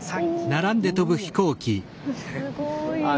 すごい。